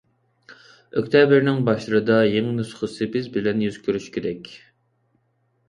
ئۆكتەبىرنىڭ باشلىرىدا يېڭى نۇسخىسى بىز بىلەن يۈز كۆرۈشكۈدەك!